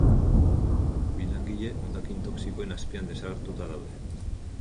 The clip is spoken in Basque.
Bi langile hondakin toxikoen azpian desagertuta daude.